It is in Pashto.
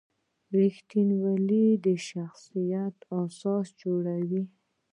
رښتینولي د شخصیت اساس جوړوي.